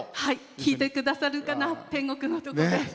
聴いてくださるかな、天国で。